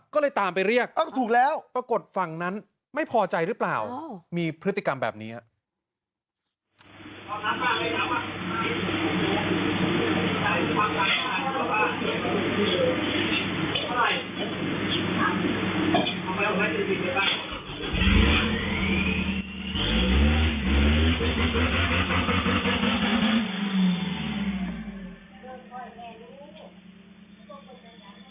ก็เลยตามไปเรียกปรากฏฝั่งนั้นไม่พอใจหรือเปล่ามีพฤติกรรมแบบนี้อ๋อถูกแล้ว